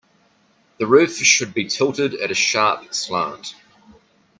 The roof should be tilted at a sharp slant.